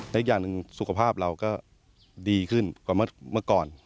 และอีกอย่างหนึ่งสุขภาพเราก็ดีขึ้นกว่าเมื่อก่อน